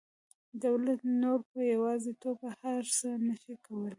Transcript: دولت نور په یوازې توګه هر څه نشي کولی